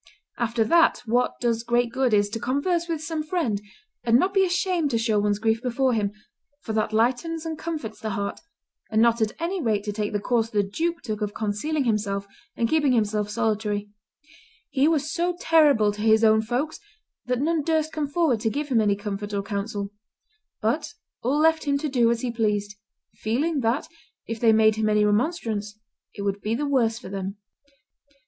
After that, what does great good is to converse with some friend, and not be ashamed to show one's grief before him, for that lightens and comforts the heart; and not at any rate to take the course the duke took of concealing himself and keeping himself solitary; he was so terrible to his own folks that none durst come forward to give him any comfort or counsel; but all left him to do as he pleased, feeling that, if they made him any remonstrance, it would be the worse for them."